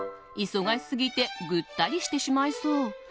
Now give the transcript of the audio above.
忙しすぎてぐったりしてしまいそう。